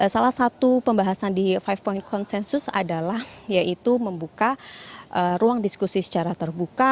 salah satu pembahasan di lima konsensus adalah yaitu membuka ruang diskusi secara terbuka